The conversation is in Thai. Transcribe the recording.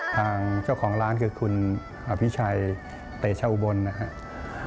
ทางเจ้าของร้านคือคุณอภิชัยเตชาอุบลนะครับ